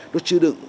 nó chứa đựng